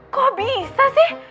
kok bisa sih